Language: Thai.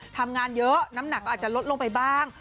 ทำงานเยอะน้ำหนักก็อาจจะลดลงไปบ้าง